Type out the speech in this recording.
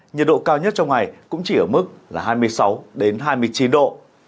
nhiệt độ cao nhất trong ngày cũng chỉ ở mức là hai mươi sáu hai mươi chín độ